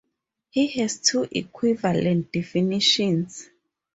It has two equivalent definitions.